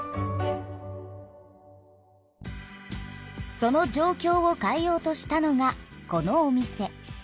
その状きょうを変えようとしたのがこのお店。